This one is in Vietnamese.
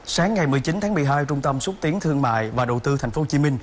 sáng ngày một mươi chín tháng một mươi hai trung tâm xúc tiến thương mại và đầu tư tp hcm